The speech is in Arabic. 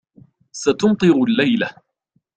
.ستمطر الليلة